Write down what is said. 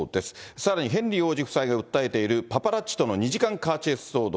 さらにヘンリー王子夫妻が訴えているパパラッチとの２時間カーチェイス騒動。